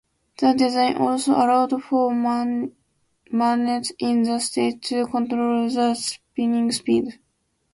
The design also allowed for magnets in the seats to control the spinning speed.